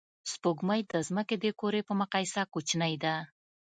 سپوږمۍ د ځمکې د کُرې په مقایسه کوچنۍ ده